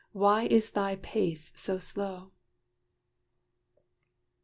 why is thy pace so slow?"